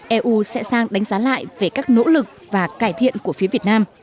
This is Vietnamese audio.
eu sẽ sang đánh giá lại về các nỗ lực và cải thiện của phía việt nam